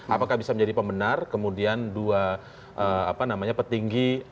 apakah bisa menjadi pemenar kemudian dua apa namanya petinggi